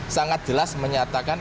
sangat jelas menyatakan